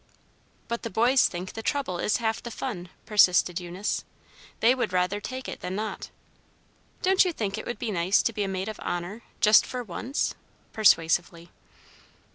"But the boys think the trouble is half the fun," persisted Eunice. "They would rather take it than not. Don't you think it would be nice to be a maid of honor, just for once?" persuasively.